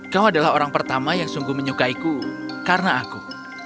kau adalah orang pertama yang sungguh menyukaiku karena aku